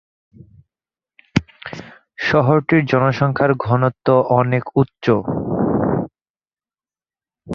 শহরটির জনসংখ্যার ঘনত্ব অনেক উচ্চ।